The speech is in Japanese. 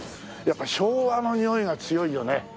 やっぱり昭和のにおいが強いよね。